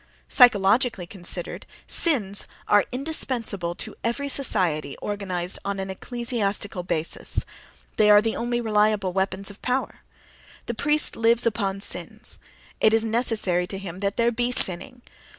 Psychologically considered, "sins" are indispensable to every society organized on an ecclesiastical basis; they are the only reliable weapons of power; the priest lives upon sins; it is necessary to him that there be "sinning"....